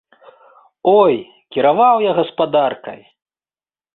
Ой, кіраваў я гаспадаркай!